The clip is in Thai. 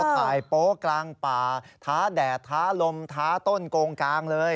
โป๊กลางป่าท้าแดดท้าลมท้าต้นโกงกลางเลย